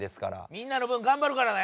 みんなの分がんばるからね！